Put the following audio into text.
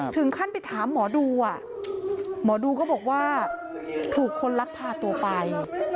ถึงขั้นไปถามหมอดูหมอดูก็บอกว่าถูกคนลักพาตัวไป